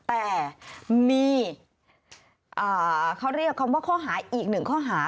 แต่มีเขาเรียกคำว่าข้อหาอีกหนึ่งข้อหา